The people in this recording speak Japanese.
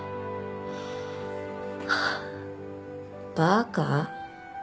バカ？